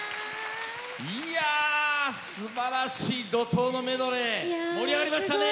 すばらしい怒とうのメドレー盛り上がりましたね。